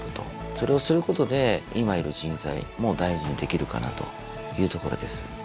それをすることで今いる人材も大事にできるかなというところです。